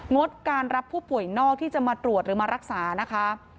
งดการรับผู้ป่วยนอกที่จะมาตรวจหรือมารักษานะคะ